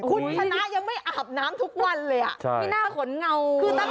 ขุนชนะยังไม่อ่าบน้ำทุกวันเลยอ่ะมีหน้าขนเงางดซิด้วย